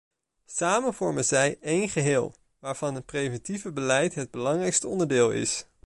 Samen vormen zij één geheel, waarvan het preventieve beleid het belangrijkste onderdeel is.